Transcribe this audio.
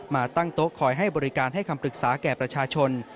มาตั้งโต๊ะคอยให้บริการให้คำปรึกษาแก่ประชาชน